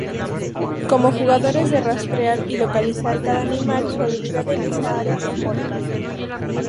Como jugadores de rastrear y localizar cada animal su habilidad en esa área mejora.